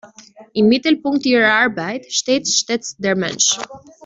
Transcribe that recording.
Im Mittelpunkt ihrer Arbeit steht stets der Mensch.